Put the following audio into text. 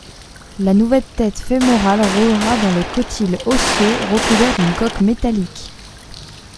La nouvelle tête fémorale roulera dans le cotyle osseux recouvert d’une coque métallique.